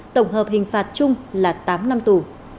tổng hợp hình phạt chung là tám năm tù